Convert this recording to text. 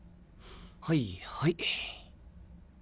はいはい。